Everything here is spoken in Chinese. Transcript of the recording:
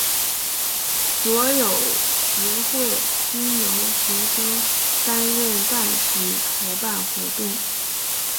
所有学会均由学生担任干事筹办活动。